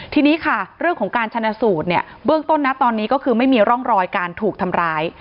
ทีนี้ค่ะเรื่องของการชนะสูตรเนี่ยเบื้องต้นนะตอนนี้ก็คือไม่มีร่องรอยการถูกทำร้าย